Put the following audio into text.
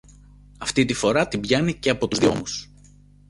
Αυτή τη φορά την πιάνει και από τους δύο ώμους